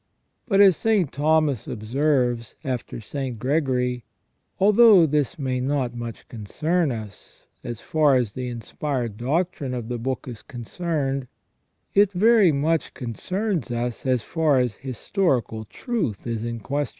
But, as St. Thomas observes after St. Gregory, although this may not much concern us, as far as the inspired doctrine of the book is concerned, it very much concerns us as far as historic truth is in question.